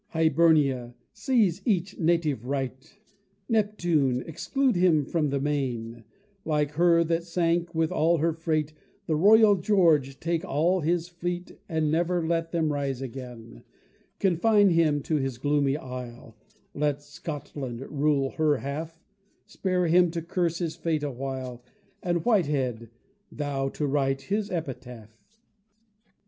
Hibernia, seize each native right! Neptune, exclude him from the main; Like her that sunk with all her freight, The Royal George, take all his fleet, And never let them rise again; Confine him to his gloomy isle, Let Scotland rule her half, Spare him to curse his fate awhile, And Whitehead, thou to write his epitaph.